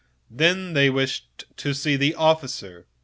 Then they asked to see the officer.